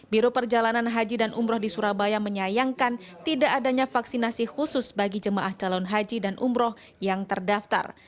biro perjalanan haji dan umroh di surabaya menyayangkan tidak adanya vaksinasi khusus bagi jemaah calon haji dan umroh yang terdaftar